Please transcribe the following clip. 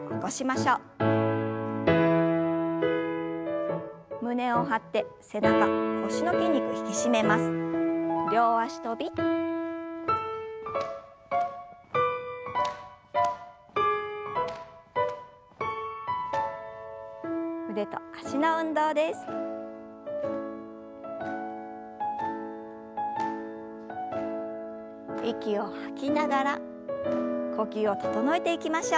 息を吐きながら呼吸を整えていきましょう。